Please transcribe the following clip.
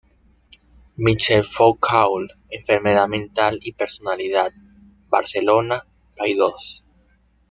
Michel Foucault, Enfermedad mental y personalidad, Barcelona: Paidós.